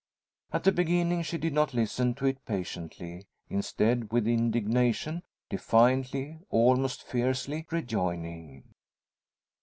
At the beginning she did not listen to it patiently; instead, with indignation; defiantly, almost fiercely, rejoining.